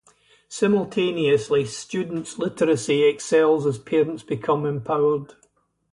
Simultaneously students' literacy excels as parents become empowered.